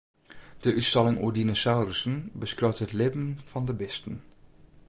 De útstalling oer dinosaurussen beskriuwt it libben fan de bisten.